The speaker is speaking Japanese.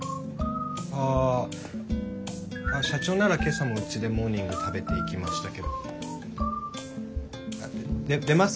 あ社長なら今朝もうちでモーニング食べていきましたけど。出ます？